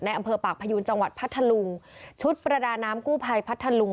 อำเภอปากพยูนจังหวัดพัทธลุงชุดประดาน้ำกู้ภัยพัทธลุง